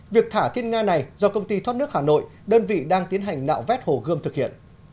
việc thả thiên nga này do công ty thoát nước hà nội đơn vị đang tiến hành nạo vét hồ gươm thực hiện